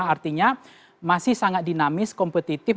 artinya masih sangat dinamis kompetitif